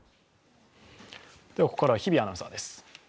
ここからは日比アナウンサーです。